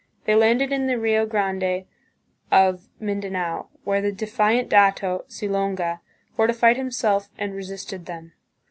They landed in the Rio Grande of Mindanao, where the defiant dato, Silonga, fortified himself and re sisted them.